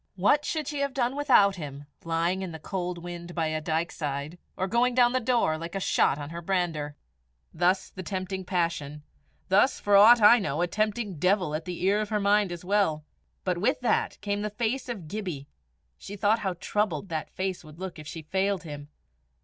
what should she have done without him, lying in the cold wind by a dykeside, or going down the Daur like a shot on her brander? Thus the tempting passion; thus, for aught I know, a tempting devil at the ear of her mind as well. But with that came the face of Gibbie; she thought how troubled that face would look if she failed him.